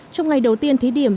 trong ngày đầu tiên thí điểm